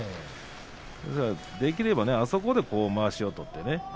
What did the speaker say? できればねあそこでまわしを取ってね